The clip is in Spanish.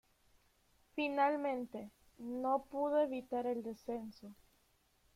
Finalmente, no se pudo evitar el descenso.